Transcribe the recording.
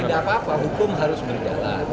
tidak apa apa hukum harus berjalan